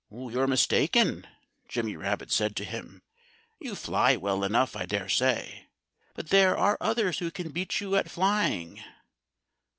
"You're mistaken," Jimmy Rabbit said to him. "You fly well enough, I dare say. But there are others who can beat you at flying....